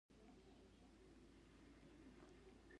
زه درد لرم